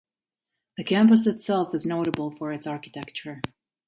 The campus itself is notable for its architecture.